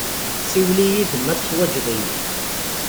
Siwel-iyi-d ma teḥwaǧeḍ-iyi.